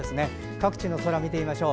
各地の空を見てみましょう。